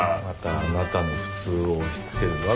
またあなたの普通を押しつける。